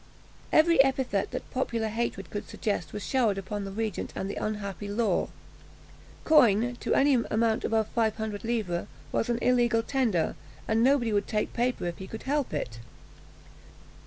Every epithet that popular hatred could suggest was showered upon the regent and the unhappy Law. Coin, to any amount above five hundred livres, was an illegal tender, and nobody would take paper if he could help it.